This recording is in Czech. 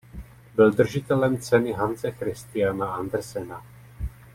Byl držitelem ceny Hanse Christiana Andersena.